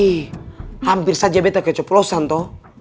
eh hampir saja beto kecoplosan toh